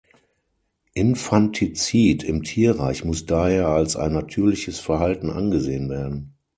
Infantizid im Tierreich muss daher als ein natürliches Verhalten angesehen werden.